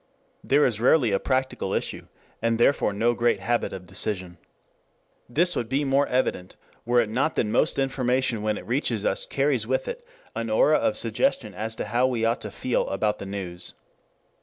There is rarely a practical issue, and therefore no great habit of decision. This would be more evident were it not that most information when it reaches us carries with it an aura of suggestion as to how we ought to feel about the news.